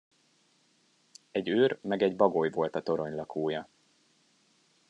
Egy őr meg egy bagoly volt a torony lakója.